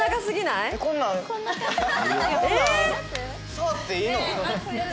触っていいの？